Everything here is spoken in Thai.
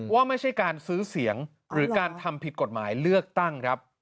ว่าไม่ใช่การซื้อเสียงหรือการทำผิดกฎหมายเลือกตั้งครับ